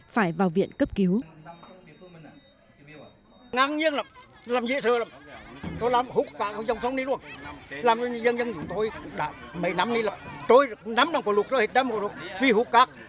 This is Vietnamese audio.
phải vào viện cấp cứu